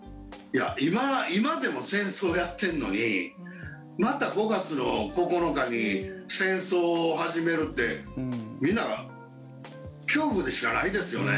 今でも戦争やってんのにまた５月の９日に戦争を始めるってみんな恐怖でしかないですよね。